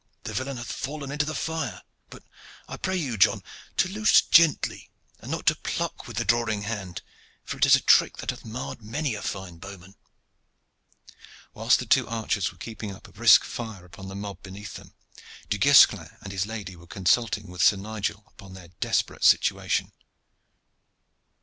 The villain hath fallen forward into the fire. But I pray you, John, to loose gently, and not to pluck with the drawing hand, for it is a trick that hath marred many a fine bowman." Whilst the two archers were keeping up a brisk fire upon the mob beneath them, Du Guesclin and his lady were consulting with Sir Nigel upon their desperate situation.